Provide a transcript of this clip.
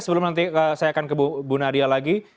sebelum nanti saya akan ke bu nadia lagi